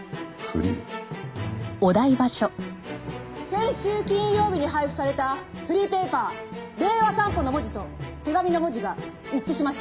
先週金曜日に配布されたフリーペーパー『令和散歩』の文字と手紙の文字が一致しました。